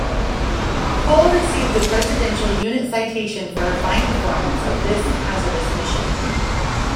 "Cole" received the Presidential Unit Citation for her fine performance of this hazardous mission.